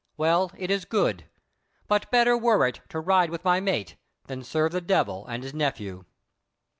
Well, it is good; but better were it to ride with my mate than serve the Devil and his Nephew."